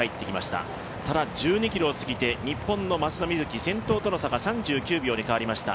ただ１２ｋｍを過ぎて日本の松田瑞生先頭との差が３９秒に変わりました。